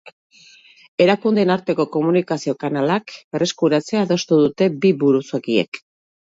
Erakundeen arteko komunikazio kanalak berreskuratzea adostu dute bi buruzagiek.